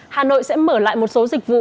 hà nội sẽ mở lại một số dịch vụ